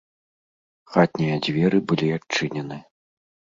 Хатнія дзверы былі адчынены.